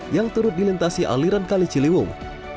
yang turut dilintasi aliran kali ciliwung